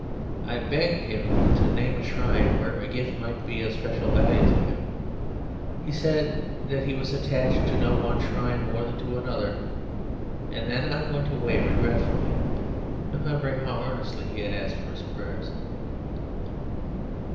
I begged him to name a shrine where a gift might be of especial value to him. He said that he was attached to no one shrine more than to any other, and then I went away regretfully, remembering how earnestly he had asked for prayers.